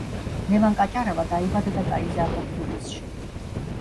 ლევან კაჭარავა დაიბადა და გაიზარდა თბილისში.